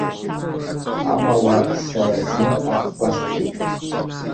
Амала сара зны акы гәасҭеит.